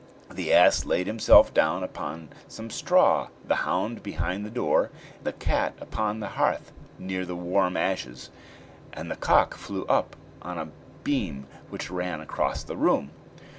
The ass laid himself down upon some straw, the hound behind the door, the cat upon the hearth, near the warm ashes, and the cock flew up on a beam which ran across the room.